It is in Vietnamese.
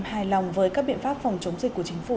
hài lòng với các biện pháp phòng chống dịch của chính phủ